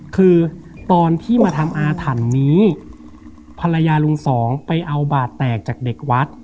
คือตอนที่มาทำอาถรรพ์นี้ภรรยาลุงสองไปเอาบาดแตกจากเด็กวัด